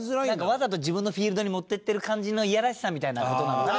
わざと自分のフィールドに持っていってる感じのいやらしさみたいな事なのかなじゃあ。